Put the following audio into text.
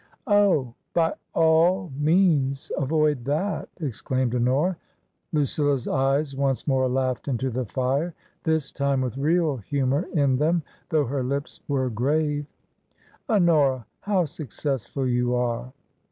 " Oh ! By all means avoid that !" exclaimed Honora. Lucilla's eyes once more laughed into the fire, this time ^j^rith real humour in them, though her lips were rave.^ " Honora I How successful you are